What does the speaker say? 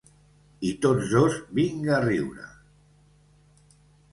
I tots dos vinga a riure.